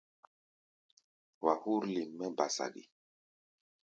Wa hú̧r lim mɛ́ ba saɗi.